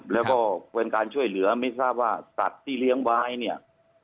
แล้วก็เป็นการช่วยเหลือไม่ทราบว่าสัตว์ที่เลี้ยงไว้เนี่ย